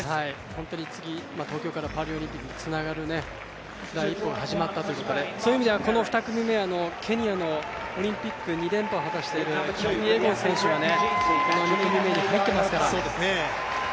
本当に次、東京からパリオリンピックにつながる第一歩が始まったということでそういう意味ではこの２組目ケニアのオリンピック２連覇を果たしている、キプイエゴン選手も入っていますから。